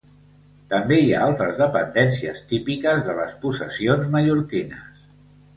També hi ha altres dependències típiques de les possessions mallorquines.